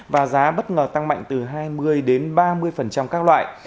và giá bất ngờ tăng mạnh từ hai mươi đến ba mươi các loại